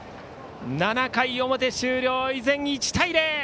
７回表終了、依然１対０。